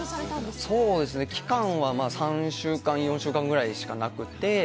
期間は３週間４週間ぐらいしかなくて。